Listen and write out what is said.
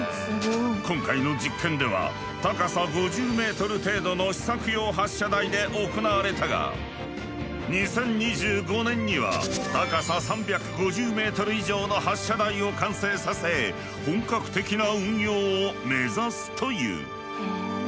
今回の実験では高さ５０メートル程度の試作用発射台で行われたが２０２５年には高さ３５０メートル以上の発射台を完成させ本格的な運用を目指すという。